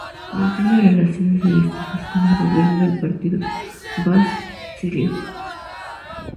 Mantiene relaciones amistosas con el gobierno del partido Baaz sirio.